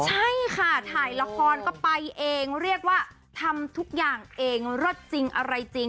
ใช่ค่ะถ่ายละครก็ไปเองเรียกว่าทำทุกอย่างเองเลิศจริงอะไรจริง